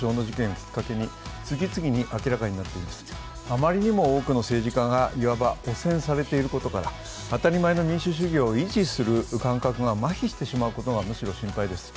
あまりにも多くの政治家がいわば汚染されていることから、当たり前の民主主義を維持する感覚がまひしてしまうことがむしろ心配です。